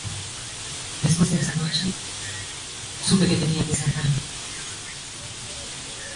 Su trabajo forma parte del paisaje intelectual marxista de los años sesenta y setenta.